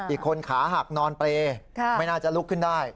อีกคนขาหักนอนเปรย์ไม่น่าจะลุกขึ้นได้